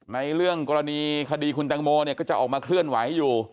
ในเรื่องกรณีคดีคุณแตงโมเนี่ยก็จะออกมาเคลื่อนไหวอยู่